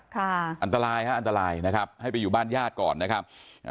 ค่ะอันตรายฮะอันตรายนะครับให้ไปอยู่บ้านญาติก่อนนะครับอ่า